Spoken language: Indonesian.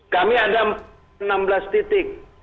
kami ada enam belas titik